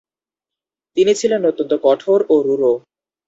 তিনি ছিলেন অত্যন্ত কঠোর ও রূঢ়।